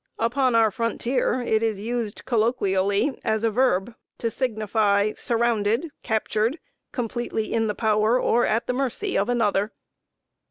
Upon our frontier it is used, colloquially, as a verb, to signify surrounded, captured, completely in the power, or at the mercy, of another.